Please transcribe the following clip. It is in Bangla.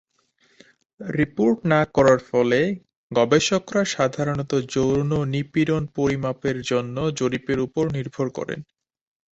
রিপোর্ট না করার ফলে, গবেষকরা সাধারণত যৌন নিপীড়ন পরিমাপের জন্য জরিপের উপর নির্ভর করেন।